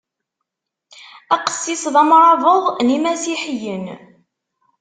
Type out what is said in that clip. Aqessis d amrabeḍ n yimasiḥiyen.